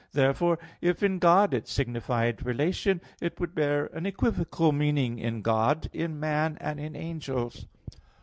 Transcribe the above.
Therefore, if in God it signified relation, it would bear an equivocal meaning in God, in man, and in angels.